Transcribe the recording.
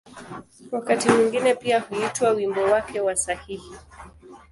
Wakati mwingine pia huitwa ‘’wimbo wake wa sahihi’’.